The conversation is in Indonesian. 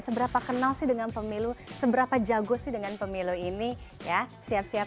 seberapa kenal sih dengan pemilu seberapa jago sih dengan pemilu ini ya siap siap